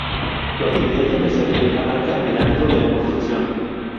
Su actividad empresarial arranca en el ámbito de la construcción.